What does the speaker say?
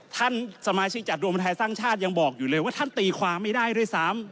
ท่านสมาชิกจัดรวมไทยสร้างชาติยังบอกอยู่เลยว่าท่านตีความไม่ได้ด้วยซ้ำ